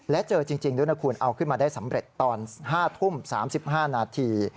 และเจอจริงด้วยนะคุณเอาขึ้นมาได้สำเร็จตอน๕ทุ่ม๓๕นาที